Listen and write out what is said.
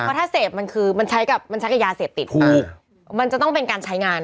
เพราะถ้าเสพมันคือมันใช้กับมันใช้กับยาเสพติดถูกมันจะต้องเป็นการใช้งาน